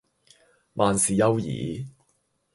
萬事休矣